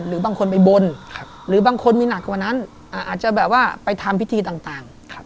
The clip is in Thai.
หรือบางคนไปบนหรือบางคนมีหนักกว่านั้นอาจจะแบบว่าไปทำพิธีต่าง